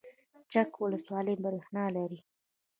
چک ولسوالۍ بریښنا لري؟